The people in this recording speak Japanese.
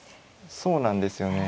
そうなんですよね。